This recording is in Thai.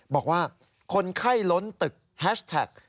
บอกว่าคนไข้ล้นตึกแฮชแท็ก